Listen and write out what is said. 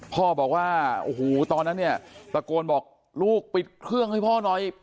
พ่อบอกว่าโอ้โหตอนนั้นเนี่ยตะโกนบอกลูกปิดเครื่องให้พ่อหน่อย